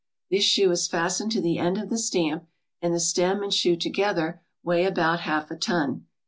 This shoe is fastened to the end of the stamp, and the stem and shoe together weigh about half a ton.